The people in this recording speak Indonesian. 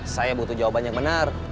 saya butuh jawaban yang benar